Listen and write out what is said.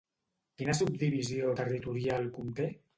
Quina subdivisió territorial conté?